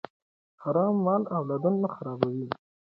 حرام مال اولادونه خرابوي.